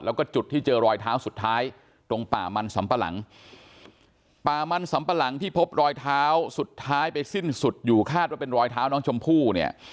แล้วก็จุดที่เจอรอยเท้าสุดท้ายตรงป่ามันสำปะหลังป่ามันสำปะหลังที่พบรอยเท้าสุดท้ายไปสิ้นสุดอยู่คาดว่าเป็นรอยเท้าน้องชมพู่เนี่ย